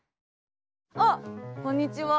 あっこんにちは。